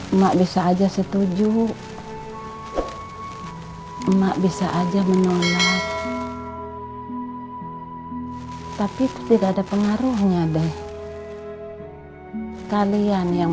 emak bisa aja setuju emak bisa aja menolak tapi tidak ada pengaruhnya deh kalian yang